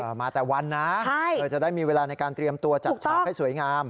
เออมาตั้งแต่วันนะเราจะได้มีเวลาในการเตรียมตัวจากเช้าให้สวยงาม